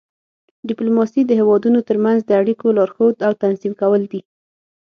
ډیپلوماسي د هیوادونو ترمنځ د اړیکو لارښود او تنظیم کول دي